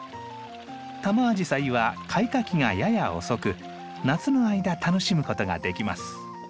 タマアジサイは開花期がやや遅く夏の間楽しむことができます。